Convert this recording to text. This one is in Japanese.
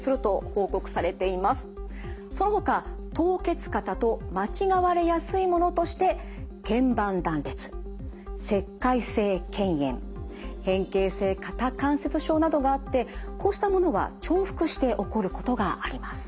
そのほか凍結肩と間違われやすいものとしてけん板断裂石灰性けん炎変形性肩関節症などがあってこうしたものは重複して起こることがあります。